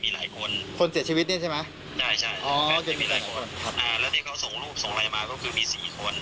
แล้วที่เขาส่งรูปส่งไลน์มาก็คือมี๔คน